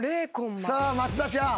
さあ松田ちゃん。